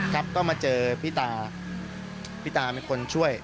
ครับก็มาเจอพี่ตาพี่ตาเป็นคนช่วย